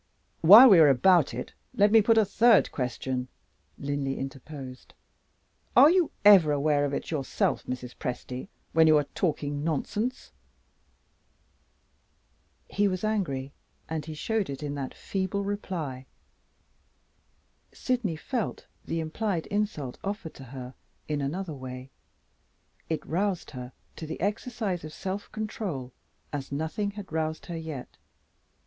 "While we are about it, let me put a third question," Linley interposed. "Are you ever aware of it yourself, Mrs. Presty, when you are talking nonsense?" He was angry, and he showed it in that feeble reply. Sydney felt the implied insult offered to her in another way. It roused her to the exercise of self control as nothing had roused her yet.